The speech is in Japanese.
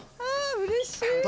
うれしい！